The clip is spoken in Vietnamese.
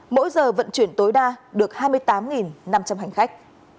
mỗi giờ vận chuyển tối đa được hai mươi tám năm trăm linh hành khách